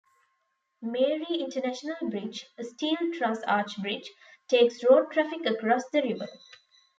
Marie International Bridge, a steel truss arch bridge, takes road traffic across the river.